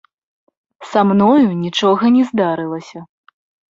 Са мною нічога не здарылася.